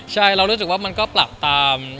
ใช่รู้สึกว่ามันน่ะก็ปลักตาม